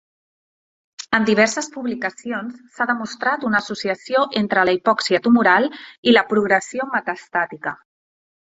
En diverses publicacions s'ha demostrat una associació entre la hipòxia tumoral i la progressió metastàtica.